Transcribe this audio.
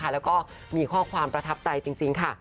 และมีข้อความประทับใจจริง